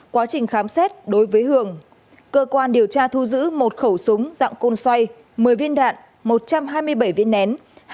quá trình khám xét đối với hường cơ quan điều tra thu giữ một khẩu súng dạng côn xoay một mươi viên đạn một trăm hai mươi bảy viên nén